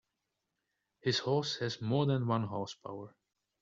This horse has more than one horse power.